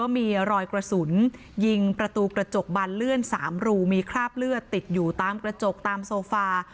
มีรอยกระสุนยิงประตูกระจกบานเลื่อน๓รูมีคราบเลือดติดอยู่ตามกระจกตามโซฟา